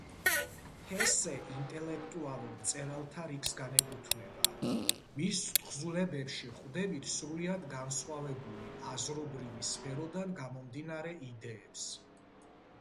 ჰესე ინტელექტუალურ მწერალთა რიგს განეკუთვნება; მის თხზულებებში ვხვდებით სრულიად განსხვავებული აზრობრივი სფეროდან გამომდინარე იდეებს.